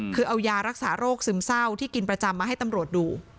คือเอายารักษาโรคซึมเศร้าที่กินประจำมาให้ตำรวจดู